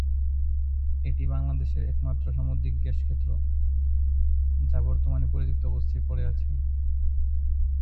এটি বাংলাদেশের একমাত্র সামুদ্রিক গ্যাসক্ষেত্র যা বর্তমানে পরিত্যাক্ত অবস্থায় পড়ে আছে।